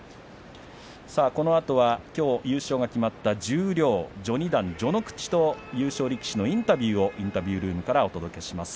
このあとは、きょう優勝が決まった十両、序二段、序ノ口の優勝力士のインタビューをインタビュールームからお届けします。